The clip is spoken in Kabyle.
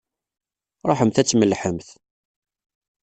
Ṛuḥemt ad tmellḥemt!